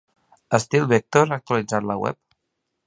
Sctytl-Vector ha actualitzat la web?